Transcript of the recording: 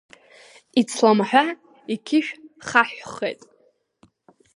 Ицламҳәа, иқьышә хаҳәхеит.